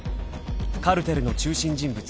［カルテルの中心人物